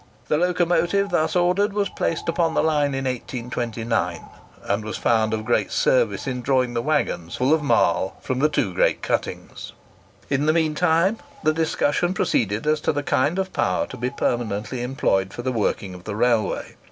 The locomotive thus ordered was placed upon the line in 1829, and was found of great service in drawing the waggons full of marl from the two great cuttings. In the mean time the discussion proceeded as to the kind of power to be permanently employed for the working of the railway.